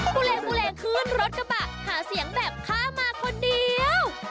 ปุเรงคืนรถกระบะหาเสียงแบบข้ามาคนเดียว